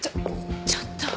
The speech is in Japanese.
ちょっと！